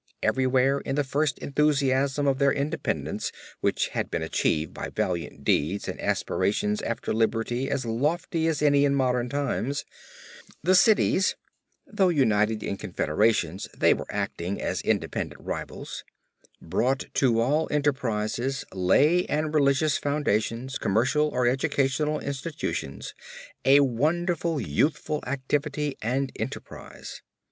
Everywhere in the first enthusiasm of their independence which had been achieved by valiant deeds and aspirations after liberty as lofty as any in modern times, the cities, though united in confederations they were acting as independent rivals, brought to all enterprises, lay or religious foundations, commercial or educational institutions, a wonderful youthful activity and enterprise.